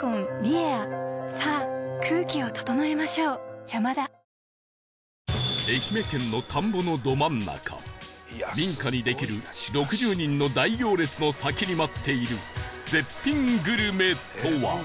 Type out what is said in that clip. お客様を最もよく知り最も寄り添う存在へ愛媛県の田んぼのど真ん中民家にできる６０人の大行列の先に待っている絶品グルメとは？